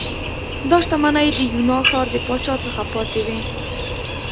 دا شتمنۍ د یونا ښار د پاچا څخه پاتې وې